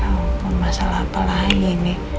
ya ampun masalah apalagi ini